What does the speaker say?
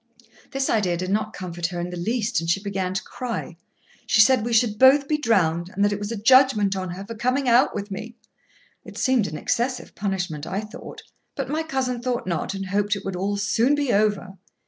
This idea did not comfort her in the least, and she began to cry. She said we should both be drowned, and that it was a judgment on her for coming out with me. It seemed an excessive punishment, I thought; but my cousin thought not, and hoped it would all soon be over.